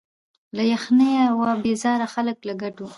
له یخنیه وه بېزار خلک له ګټو